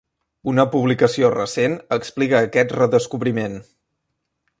Una publicació recent explica aquest redescobriment.